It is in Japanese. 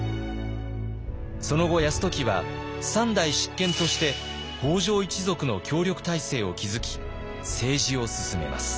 その後泰時は３代執権として北条一族の協力体制を築き政治を進めます。